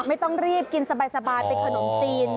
ไม่ต้องรีบกินสบายเป็นขนมจีน